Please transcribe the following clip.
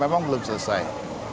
memang belum selesai